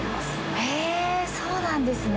へぇそうなんですね。